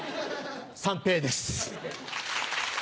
三平です。